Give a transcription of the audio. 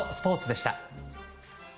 でした。